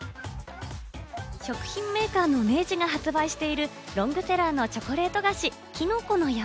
食品メーカーの明治が発売しているロングセラーのチョコレート菓子・きのこの山。